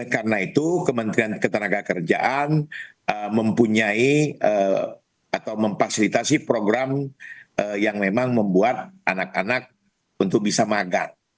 karena itu kementerian ketenaga kerjaan mempunyai atau memfasilitasi program yang memang membuat anak anak untuk bisa magat